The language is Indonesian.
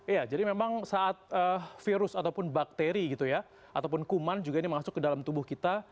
iya jadi memang saat virus ataupun bakteri gitu ya ataupun kuman juga ini masuk ke dalam tubuh kita